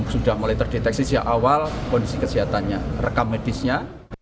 sudah mulai terdeteksi sejak awal kondisi kesehatannya rekam medisnya